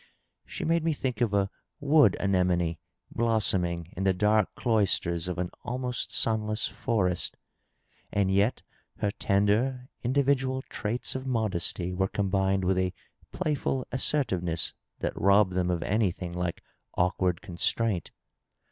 She made me think of a wood anemone blossoming in the dark cloisters of an almost sunless forest. And yet her tender individual traits of modesty were combined with a playful assertiveness that robbed them of anything like awkward con straint.